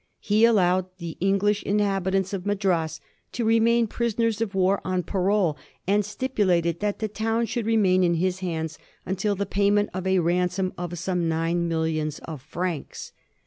He allowed the English inhabi tants of Madras to remain prisoners of war on parole, and stipulated that the town should remain in his hands until the payment of a ransom of some nine millions of francs.